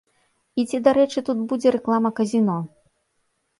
І ці дарэчы тут будзе рэклама казіно?